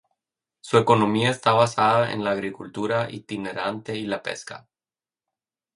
Su economía está basada en la agricultura itinerante y la pesca.